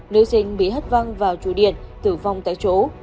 nữ sinh bị hất văng vào trụ điện tử vong tại chỗ